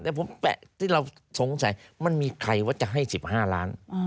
แต่ผมแปะที่เราสงสัยมันมีใครว่าจะให้๑๕ล้าน